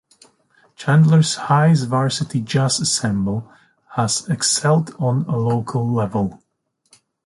Chandler High's Varsity Jazz Ensemble has excelled on a local level.